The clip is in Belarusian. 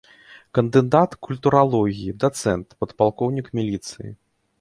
Кандыдат культуралогіі, дацэнт, падпалкоўнік міліцыі.